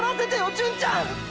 純ちゃん！！